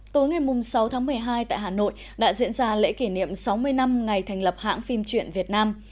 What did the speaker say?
tối ngày sáu tháng một mươi hai tại hà nội đã diễn ra lễ kỷ niệm sáu mươi năm ngày thành lập hãng phim truyện việt nam